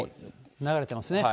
流れてますね。